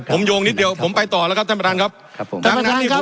ผมโยงนิดเดียวผมไปต่อแล้วครับท่านประธานครับครับผมดังนั้นนี่ครับ